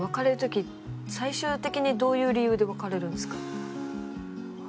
最終的にどういう理由で別れるんですか？